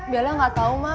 bella gak tau ma